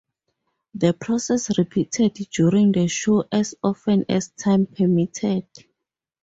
The process repeated during the show as often as time permitted.